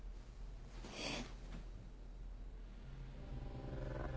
えっ？